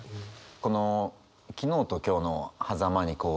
この昨日と今日のはざまにいて。